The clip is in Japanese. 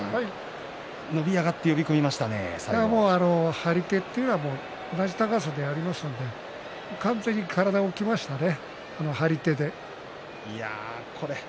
張り手というのは同じ高さでやりますので完全に体が浮きましたね。